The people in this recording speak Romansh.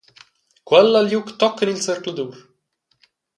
Quella ha liug tochen il zercladur.